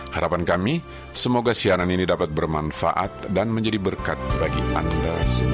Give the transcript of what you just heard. harapan kami semoga siaran ini dapat bermanfaat dan menjadi berkat bagi anda